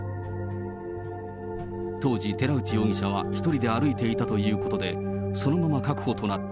当時、寺内容疑者は１人で歩いていたということで、そのまま確保となった。